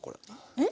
えっ？